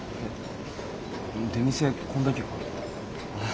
出店こんだけか？